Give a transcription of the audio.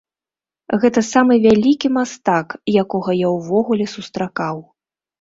Гэта самы вялікі мастак, якога я ўвогуле сустракаў.